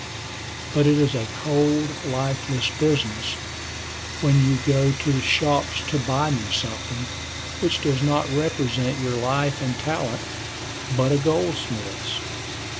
But it is a cold, lifeless business when you go to the shops to buy me something, which does not represent your life and talent, but a goldsmith's.